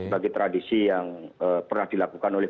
bagi tradisi yang pernah dilakukan oleh